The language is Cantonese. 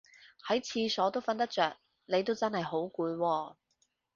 喺廁所都瞓得着你都真係好攰喎